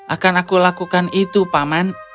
akan aku lakukan itu paman